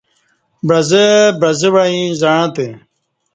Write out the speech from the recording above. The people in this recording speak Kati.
بعزہء بعزہ وعیں زعں تہ